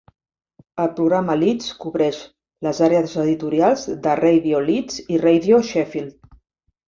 El programa Leeds cobreix les àrees editorials de Radio Leeds i Radio Sheffield.